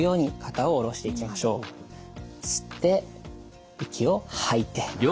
吸って息を吐いて。